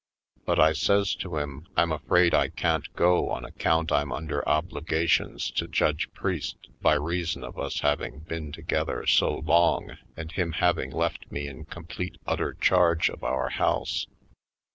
But I says to him I'm afraid I can't go on account I'm under obligations to Judge Priest by reasons of us having been together so long and him having left me in complete utter charge of our house.